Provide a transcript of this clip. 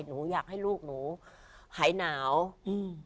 หนูอยากให้ลูกหนูหายหนาวอืม